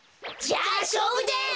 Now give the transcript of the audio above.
じゃあしょうぶです！